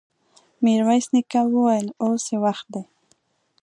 ميرويس نيکه وويل: اوس يې وخت دی!